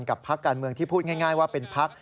พักการเมืองที่พูดง่ายว่าเป็นพัก